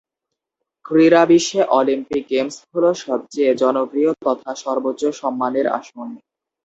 ক্রীড়াবিশ্বে Olympic games হলো সবচেয়ে জনপ্রিয় তথা সর্বোচ্চ সম্মানের আসন।